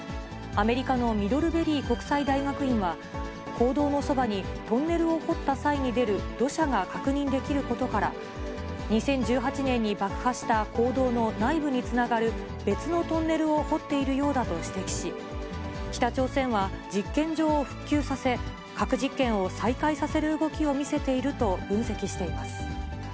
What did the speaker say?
アメリカのミドルベリー国際大学院は、坑道のそばにトンネルを掘った際に出る、土砂が確認できることから、２０１８年に爆破した坑道の内部につながる、別のトンネルを掘っているようだと指摘し、北朝鮮は、実験場を復旧させ、核実験を再開させる動きを見せていると分析しています。